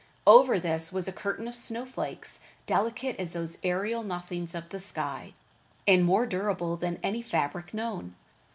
Over this was a curtain of snow flakes, delicate as those aerial nothings of the sky, and more durable than any fabric known.